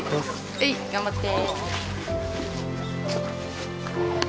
はい頑張って。